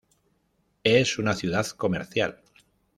Es una ciudad comercial.